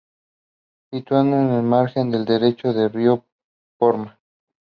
Situado en el margen derecho del Río Porma.